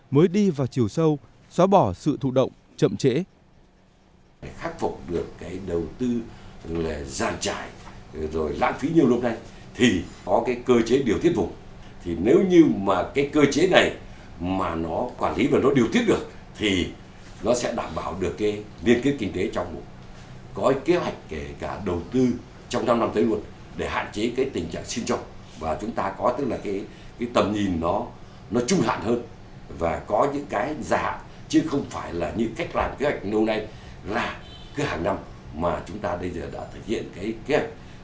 mới đi vào chiều sâu xóa bỏ sự thụ động chậm trễ